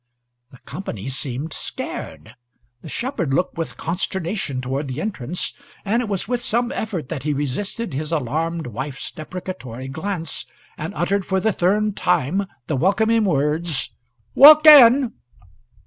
The company seemed scared; the shepherd looked with consternation toward the entrance, and it was with some effort that he resisted his alarmed wife's deprecatory glance, and uttered for the third time the welcoming words, "Walk in!"